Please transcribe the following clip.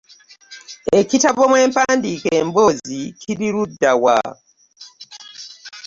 Ekitabo mwe mpandiika emboozi kiri ludda wa?